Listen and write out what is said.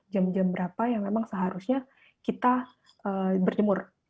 jam jam berapa yang memang seharusnya kita berjemur